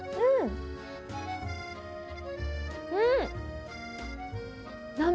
うん！